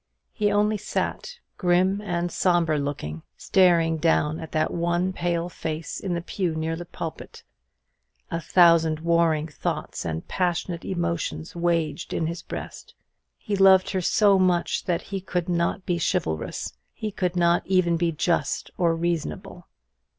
He only sat, grim and sombre looking, staring down at that one pale face in the pew near the pulpit. A thousand warring thoughts and passionate emotions waged in his breast. He loved her so much that he could not be chivalrous; he could not even be just or reasonable.